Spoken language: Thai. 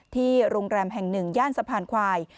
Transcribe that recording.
ที่โรงแรมแห่งหนึ่งย่านสะพานควาย